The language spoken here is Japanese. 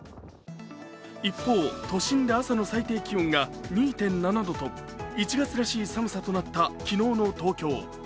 一方、都心で朝の最低気温が２．７度と１月らしい寒さとなった昨日の東京。